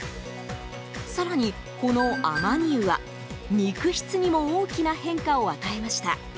更に、この亜麻仁油は肉質にも大きな変化を与えました。